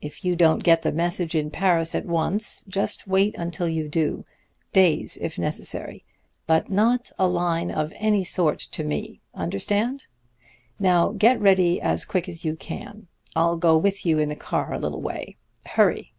If you don't get the message in Paris at once, just wait until you do days, if necessary. But not a line of any sort to me. Understand? Now get ready as quick as you can. I'll go with you in the car a little way. Hurry!'